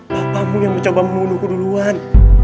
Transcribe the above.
bapakmu yang mencoba membunuhku duluan